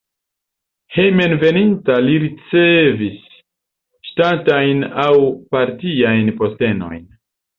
Hejmenveninta li ricevis ŝtatajn aŭ partiajn postenojn.